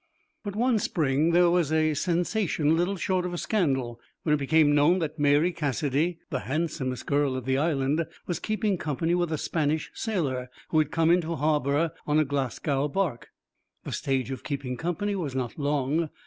But one spring there was a sensation little short of a scandal when it became known that Mary Cassidy, the handsomest girl of the Island, was keeping company with a Spanish sailor who had come into harbour on a Glasgow barque. The stage of keeping company was not long.